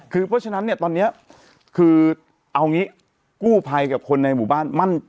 คือเพราะฉะนั้นเนี่ยตอนนี้คือเอางี้กู้ภัยกับคนในหมู่บ้านมั่น